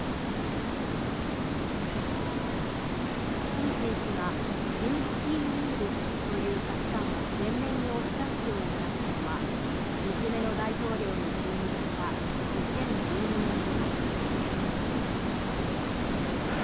プーチン氏がルースキー・ミールという価値観を前面に押し出すようになったのは２期目の大統領に就任した２０１２年ごろ。